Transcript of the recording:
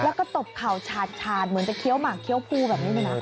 แล้วก็ตบเข่าฉาดเหมือนจะเคี้ยวหมากเคี้ยวภูแบบนี้เลยนะ